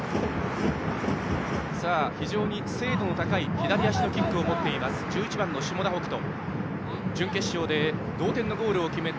非常に精度の高い左足のキックを持っています下田北斗。